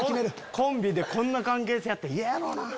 コンビでこんな関係性やったら嫌やろなぁ。